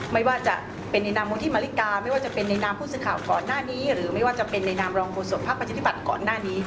ไม่ว่าจะเป็นนอนบุรดิมหลีกาพหุ่นสื่อข่าวก่อนหรือในโน้มที่แห่งโครคส่วนธรรมหรือพวัติธิบัตรก่อน